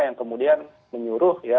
yang kemudian menyuruh ya